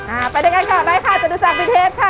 อ่าไปด้วยกันก่อนไหมค่ะจะรู้จักวิเทศค่ะ